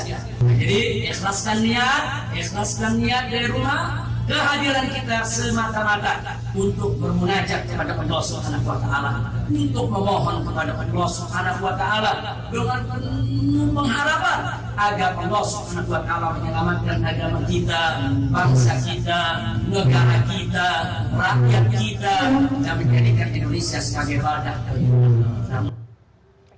yang menjadikan indonesia sebagai wadah